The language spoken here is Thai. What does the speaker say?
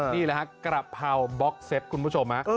นี่แหละครับกะเพราบ็อกเซ็ตคุณผู้ชม